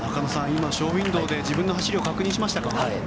今、ショーウィンドーで自分の走りを確認しましたか？